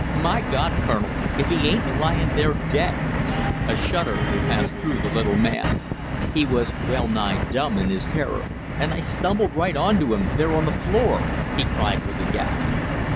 "My God, Colonel, if he ain't lying there dead " a shudder passed through the little man; he was well nigh dumb in his terror. "And I stumbled right on to him there on the floor!" he cried with a gasp.